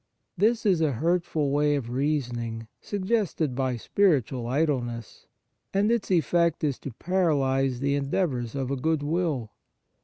This is a hurtful way of reasoning, suggested by spiritual idleness, and its effect is to paralyze the endeavours of a good will.